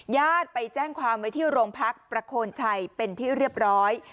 ญาติไปแจ้งความไว้ที่โรงพักประโคนชัยเป็นที่เรียบร้อย